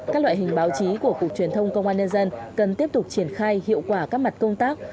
các loại hình báo chí của cục truyền thông công an nhân dân cần tiếp tục triển khai hiệu quả các mặt công tác